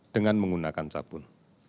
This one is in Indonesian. dengan menggunakan sabun